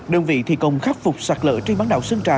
đơn vị thị công khắc phục sạc lỡ trên bán đảo sơn trà